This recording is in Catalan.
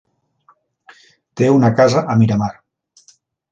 Té una casa a Miramar.